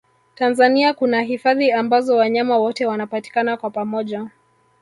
tanzania kuna hifadhi ambazo wanyama wote wanapatikana kwa pamoja